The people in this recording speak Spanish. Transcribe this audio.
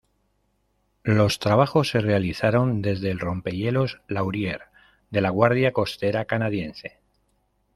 Los trabajos se realizaron desde el rompehielos Laurier de la Guardia Costera canadiense.